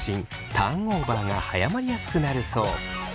ターンオーバーが早まりやすくなるそう。